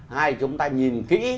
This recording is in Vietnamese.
hai chúng ta nhìn kỹ